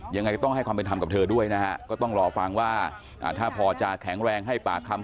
ยังไงก็ต้องให้ความเป็นธรรมกับเธอด้วยนะฮะก็ต้องรอฟังว่าถ้าพอจะแข็งแรงให้ปากคำ